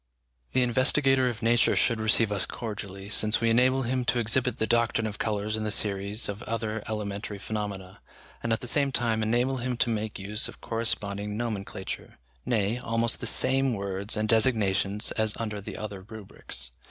The investigator of nature should receive us cordially, since we enable him to exhibit the doctrine of colours in the series of other elementary phenomena, and at the same time enable him to make use of a corresponding nomenclature, nay, almost the same words and designations as under the other rubrics.